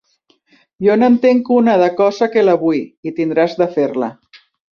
Jo n'entenc una de cosa que la vull i tindràs de fer-la